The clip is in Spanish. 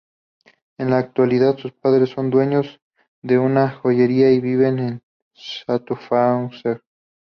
En la actualidad sus padres son dueños de una joyería y viven en Schaffhausen.